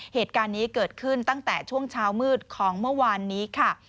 เหตุการณ์นี้เกิดขึ้นตั้งแต่ช่วงเช้ามืดของเมื่อวานนี้ค่ะ